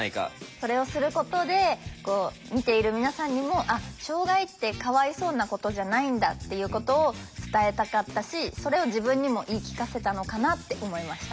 それをすることでこう見ている皆さんにもあっ障害ってかわいそうなことじゃないんだっていうことを伝えたかったしそれを自分にも言い聞かせたのかなって思いました。